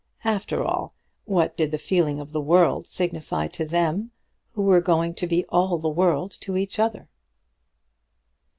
After all, what did the feeling of the world signify to them, who were going to be all the world to each other?